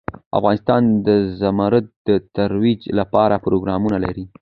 افغانستان د زمرد د ترویج لپاره پروګرامونه لري.